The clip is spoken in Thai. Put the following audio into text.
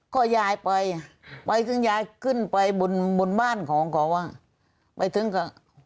ก็ยายไปไปถึงยายขึ้นไปบนบนบ้านของเขาอ่ะไปถึงก็